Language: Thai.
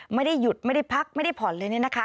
ไม่ได้หยุดไม่ได้พักไม่ได้ผ่อนเลยเนี่ยนะคะ